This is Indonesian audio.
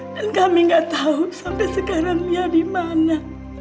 dan kami gak tahu sampai sekarang dia dimana